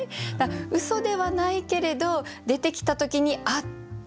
うそではないけれど出てきた時に「あ」っていう。